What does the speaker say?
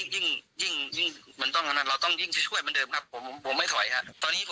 ยิ่งเราต้องยิ่งช่วยเหมือนเดิมครับผมไม่ถอยครับ